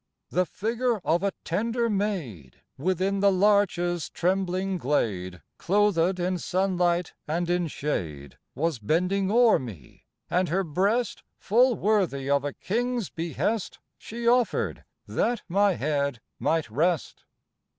The figure of a tender maid, Within the larches' trembling glade Clothèd in sunlight and in shade— Was bending o'er me, and her breast Full worthy of a King's behest She offered, that my head might rest.